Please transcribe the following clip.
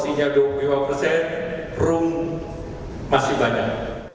tapi kalau dihitung proporsinya dua puluh lima persen rum masih banyak